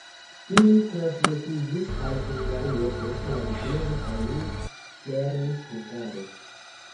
Ili translokiĝis al Hungario post la diplomo kaj li lernis hungare.